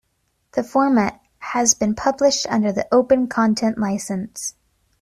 The format has been published under the Open Content License.